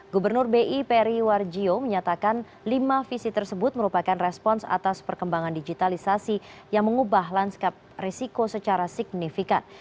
gubernur bi peri warjio menyatakan lima visi tersebut merupakan respons atas perkembangan digitalisasi yang mengubah landscape resiko secara signifikan